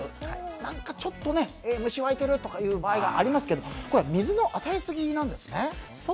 なんかちょっと虫が湧いてるとかありますけどこれは水の与えすぎなんですね。